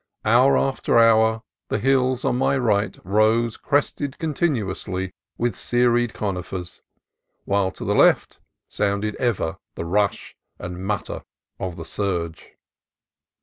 Hour after hour the hills on my right rose crested continuously with serried conifers, while to the left sounded ever the rush and mutter of the surge.